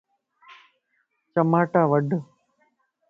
چماٽا وڍ